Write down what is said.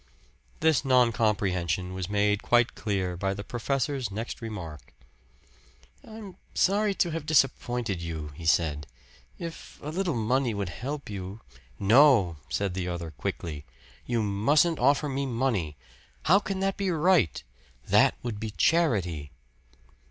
This non comprehension was made quite clear by the professor's next remark. "I'm sorry to have disappointed you," he said. "If a little money will help you " "No," said the other quickly. "You mustn't offer me money. How can that be right? That would be charity."